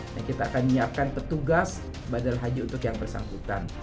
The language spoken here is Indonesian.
dan kita akan menyiapkan petugas badal haji untuk yang bersangkutan